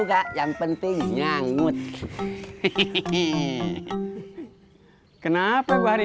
saya nunggu ini